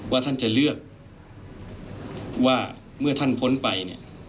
ว่าท่านจะเลือกว่าเมื่อท่านพ้นไปเนี่ย